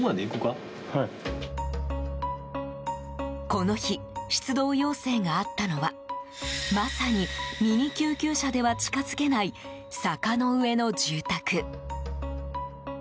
この日、出動要請があったのはまさにミニ救急車では近づけない坂の上の住宅。